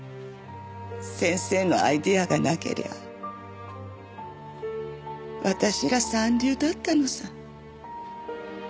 先生のアイデアがなけりゃ私ら三流だったのさ。